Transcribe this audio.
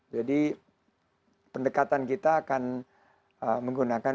jadi pendekatan kita akan menggunakan